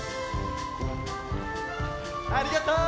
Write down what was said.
ありがとう！